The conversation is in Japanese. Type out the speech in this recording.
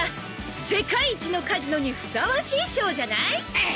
世界一のカジノにふさわしいショーじゃない？